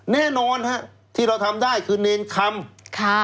แน่นอนฮะที่เราทำได้คือเนรคำค่ะ